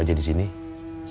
aku mau mencari bubun